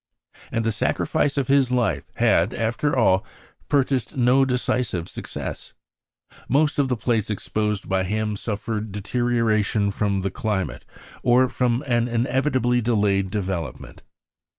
And the sacrifice of his life had, after all, purchased no decisive success. Most of the plates exposed by him suffered deterioration from the climate, or from an inevitably delayed development.